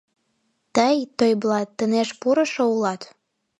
Тый, Тойблат, тынеш пурышо улат?